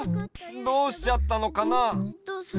どうしちゃったのかな？